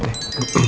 tipe saya banget ya